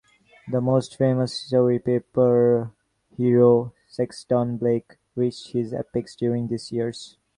The most famous story paper hero, Sexton Blake, reached his apex during these years.